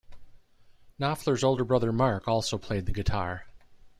Knopfler's older brother Mark also played the guitar.